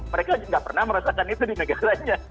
mereka juga gak pernah merasakan itu di negaranya